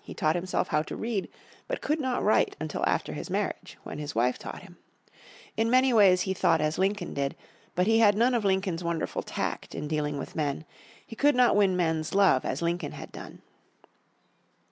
He taught himself how to read, but could not write until after his marriage, when his wife taught him. In many ways he thought as Lincoln did, but he had none of Lincoln's wonderful tact in dealing with men, he could not win men's love as Lincoln had done.